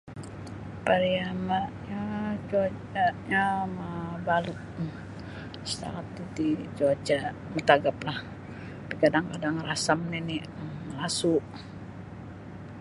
Pariamanyo cuacanyo maabalut um setakat titi cuacanyo matagaplah kadang-kadang rasam nini' malasu'.